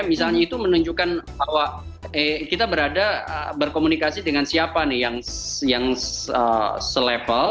misalnya itu menunjukkan bahwa kita berada berkomunikasi dengan siapa nih yang selevel